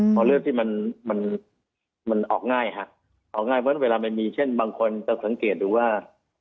พอเลือดที่มันออกง่ายฮะออกง่ายเพราะเวลามันมีเช่นบางคนจะสังเกตดูว่า